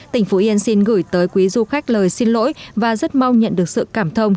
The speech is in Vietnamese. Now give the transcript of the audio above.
tỉnh phú yên xin gửi tới quý du khách lời xin lỗi và rất mong nhận được sự cảm thông